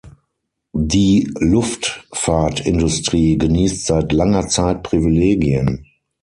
Die Luftfahrtindustrie genießt seit langer Zeit Privilegien.